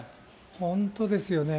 本当ですよね。